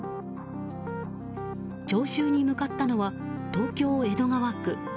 徴収に向かったのは東京・江戸川区。